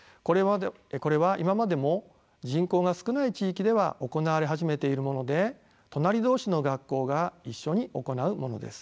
これは今までも人口が少ない地域では行われ始めているもので隣同士の学校が一緒に行うものです。